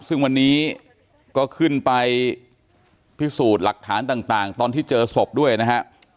ซึ่งวันนี้ก็ขึ้นไปพิสูจน์หลักฐานต่างตอนที่เจอศพด้วยนะฮะ